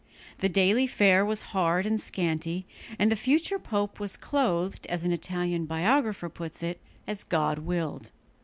The daily fare was hard and scanty, and the future pope was clothed, as an Italian biographer puts it, "as God willed."